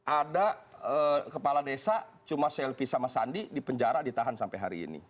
ada kepala desa cuma clp sama sandi dipenjara ditahan sampai hari ini